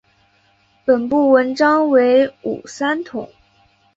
本部纹章为五三桐。